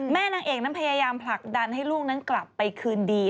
นางเอกนั้นพยายามผลักดันให้ลูกนั้นกลับไปคืนดี